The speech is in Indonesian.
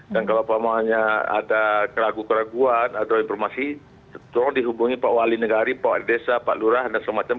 dan kalau pokoknya ada keraguan atau informasi turun dihubungi pak wali negari pak adesa pak lurah dan semacam